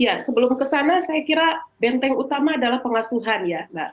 ya sebelum kesana saya kira benteng utama adalah pengasuhan ya mbak